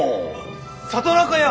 里中屋！